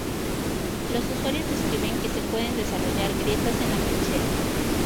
Los usuarios describen que se pueden desarrollar grietas en la pulsera.